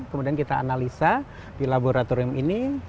kemudian kita analisa di laboratorium ini